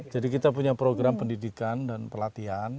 jadi kita punya program pendidikan dan pelatihan